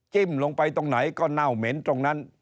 ลงไปตรงไหนก็เน่าเหม็นตรงนั้น